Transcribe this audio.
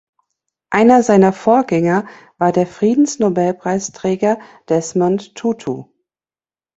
Einer seiner Vorgänger war der Friedensnobelpreisträger Desmond Tutu.